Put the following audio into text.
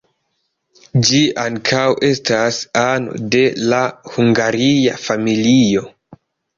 Ĝi ankaŭ estas ano de la Hungaria familio.